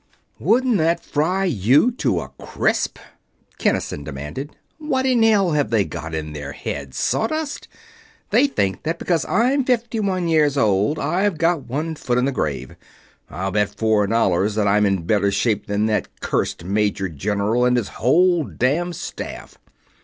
"Wouldn't that fry you to a crisp?" Kinnison demanded. "What in hell have they got in their heads sawdust? They think that because I'm fifty one years old I've got one foot in the grave I'll bet four dollars that I'm in better shape than that cursed Major General and his whole damned staff!"